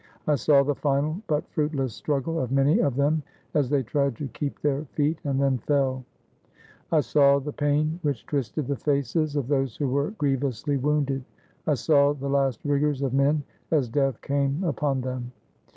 I saw the final but fruitless struggle of many of them as they tried to keep their feet, and then fell. I 448 THE FLIGHT FROM LULE BURGAS saw the pain which twisted the faces of those who were grievously wounded. I saw the last rigors of men as death came upon them.